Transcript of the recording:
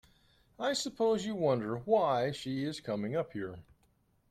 I suppose you wonder why she is coming up here.